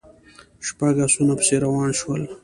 شپږ آسونه پسې روان شول.